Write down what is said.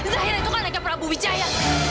zahira itu kan anaknya prabu wijaya